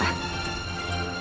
yang di terima